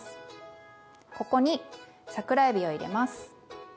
ここに桜えびを入れます。